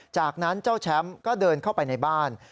จากนั้นเจ้าแชมป์ก็เดินเข้าไปในบ้าน